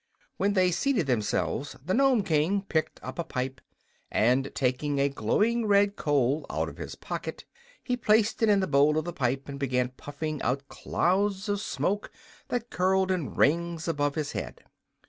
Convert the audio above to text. While they seated themselves the Nome King picked up a pipe, and taking a glowing red coal out of his pocket he placed it in the bowl of the pipe and began puffing out clouds of smoke that curled in rings above his head.